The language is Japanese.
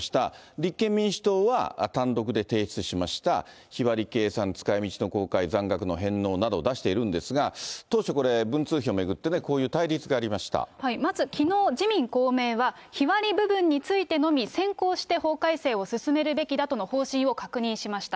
立憲民主党は、単独で提出しました、日割り計算使いみちの公開、残額の返納などを出してるんですが、当初これ、文通費を巡ってね、まずきのう、自民、公明は、日割り部分についてのみ先行して法改正を進めるべきだとの方針を確認しました。